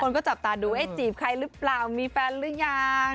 ก็จับตาดูเอ๊ะจีบใครหรือเปล่ามีแฟนหรือยัง